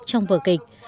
trong vờ kịch